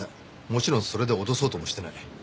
もちろんそれで脅そうともしてない。